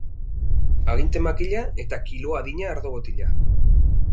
Aginte makila eta kilo adina ardo botila.